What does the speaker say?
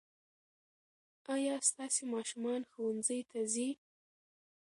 ايا ستاسې ماشومان ښوونځي ته ځي؟